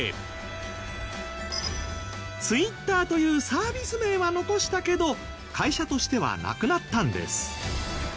Ｔｗｉｔｔｅｒというサービス名は残したけど会社としてはなくなったんです。